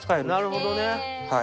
なるほどね。